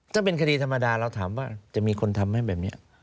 ถ้าเป็นคดีธรรมดาเราถามว่าจะมีคนทำให้แบบนี้